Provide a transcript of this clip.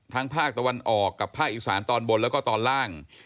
ภาคตะวันออกกับภาคอีสานตอนบนแล้วก็ตอนล่าง